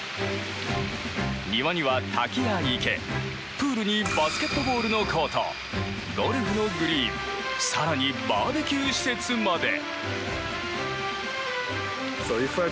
庭には滝や池、プールにバスケットボールのコートゴルフのグリーン更に、バーベキュー施設まで。